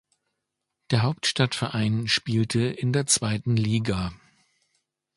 Der Hauptstadtverein spielte in der zweiten Liga.